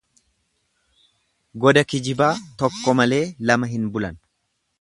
Goda kijibaa tokko malee lama hin bulan.